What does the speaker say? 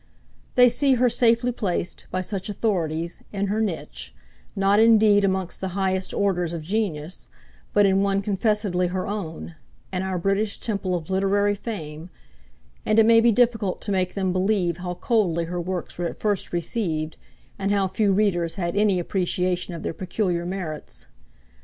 They see her safely placed, by such authorities, in her niche, not indeed amongst the highest orders of genius, but in one confessedly her own, in our British temple of literary fame; and it may be difficult to make them believe how coldly her works were at first received, and how few readers had any appreciation of their peculiar merits.